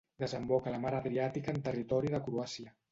Desemboca a la mar Adriàtica en territori de Croàcia.